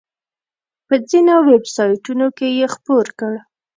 په ځینو ویب سایټونو کې یې خپور کړ.